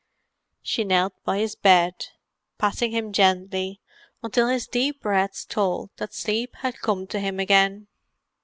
She knelt by his bed, patting him gently, until his deep breaths told that sleep had come to him again.